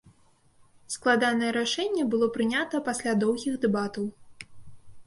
Складанае рашэнне было прынята пасля доўгіх дэбатаў.